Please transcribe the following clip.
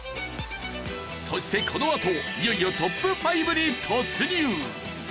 そしてこのあといよいよトップ５に突入！